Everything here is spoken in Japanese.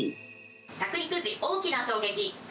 着陸時、大きな衝撃。